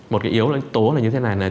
một cái yếu tố là như thế này